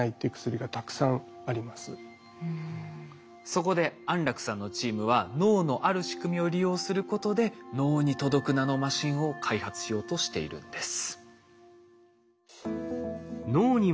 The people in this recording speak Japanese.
そこで安楽さんのチームは脳のある仕組みを利用することで脳に届くナノマシンを開発しようとしているんです。